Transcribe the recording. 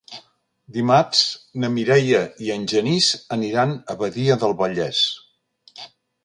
Dimarts na Mireia i en Genís aniran a Badia del Vallès.